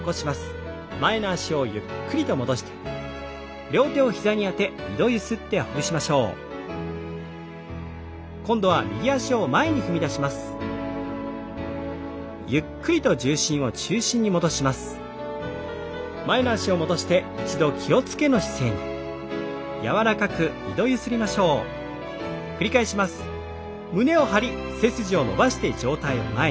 椅子の方も背筋を伸ばして上体を前に。